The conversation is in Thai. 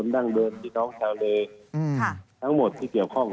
ดั่งเบิดสิทธิ์เขาชาวเลอืมค่ะทั้งหมดที่เกี่ยวข้อง